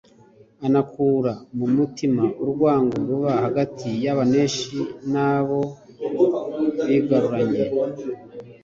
anakura mu mutima urwango ruba hagati y'abaneshi n'abo bigarunye,